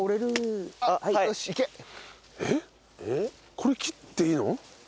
これ切っていいの？